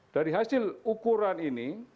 dari hasil ukuran ini